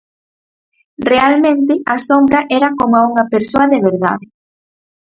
Realmente, a sombra era coma unha persoa de verdade.